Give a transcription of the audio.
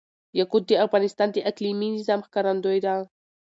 یاقوت د افغانستان د اقلیمي نظام ښکارندوی ده.